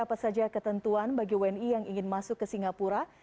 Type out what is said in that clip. apa saja ketentuan bagi wni yang ingin masuk ke singapura